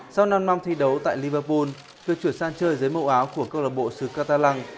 sau năm năm thi đấu tại liverpool việc chuyển sang chơi dưới mẫu áo của cơ lộc bộ sucatalang